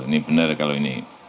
ini benar kalau ini